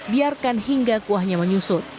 biarkan hingga kuahnya menyusut